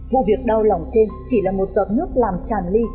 vụ việc đau lòng trên chỉ là một giọt nước làm tràn ly